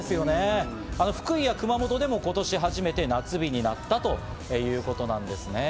福井や熊本でも今年初めて、夏日になったということなんですね。